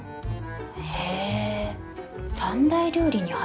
へえ三大料理に入ってるんだ。